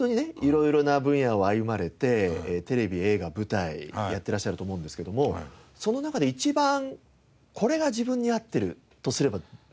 色々な分野を歩まれてテレビ映画舞台やってらっしゃると思うんですけどもその中で一番これが自分に合ってるとすればなんでしょう？